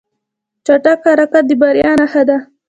چټک حرکت د بریا نښه ده.